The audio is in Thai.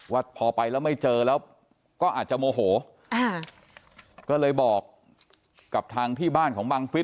ว่าพอไปแล้วไม่เจอแล้วก็อาจจะโมโหอ่าก็เลยบอกกับทางที่บ้านของบังฟิศ